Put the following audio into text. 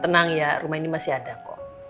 tenang ya rumah ini masih ada kok